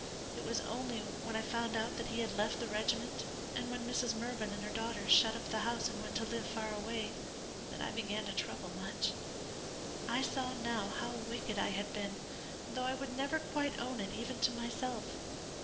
It was only when I found that he had left the regiment, and when Mrs. Mervyn and her daughters shut up the house and went to live far away, that I began to trouble much. I saw now how wicked I had been, though I would never quite own it even to myself.